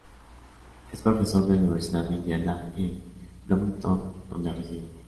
Es profesor en la Universidad de Indiana en Bloomington, donde reside.